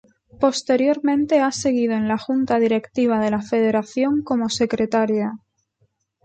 Posteriormente ha seguido en la junta directiva de la federación como secretaria.